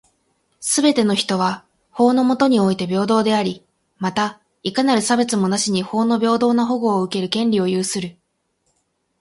すべての人は、法の下において平等であり、また、いかなる差別もなしに法の平等な保護を受ける権利を有する。